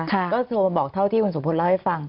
ก็โทรมาบอกเท่าที่คุณสุพลเล่าให้ฟัง